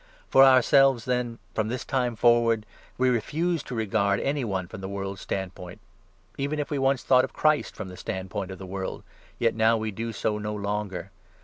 For ourselves, then, from this time forward, we refuse to 16 regard any one from the world's standpoint. Even if we once thought of Christ from the standpoint of the world, yet now we do so no longer.